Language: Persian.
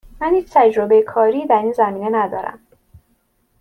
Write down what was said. من هیچ تجربه کاری در این زمینه ندارم.